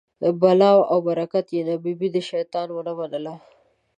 بلا وه او برکت یې نه، ببۍ د شیطان و نه منل.